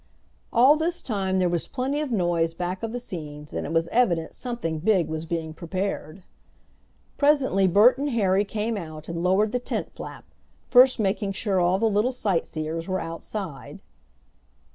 All this time there was plenty of noise back of the scenes, and it was evident something big was being prepared. Presently Bert and Harry came out and lowered the tent flap, first making sure all the little sightseers were outside.